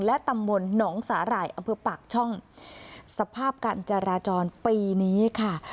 และตำบลหนองสาหร่ายอำเภอปากช่องสภาพการจราจรปีนี้ค่ะ